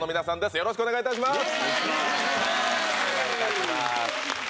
よろしくお願いします